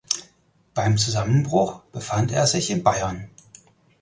Beim Zusammenbruch befand er sich in Bayern.